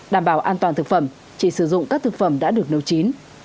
đảm bảo an toàn thực phẩm chỉ sử dụng các thực phẩm đã được nấu chín